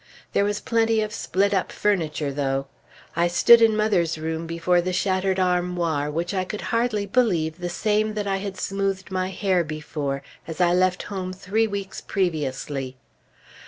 There was plenty of split up furniture, though. I stood in mother's room before the shattered armoir, which I could hardly believe the same that I had smoothed my hair before, as I left home three weeks previously.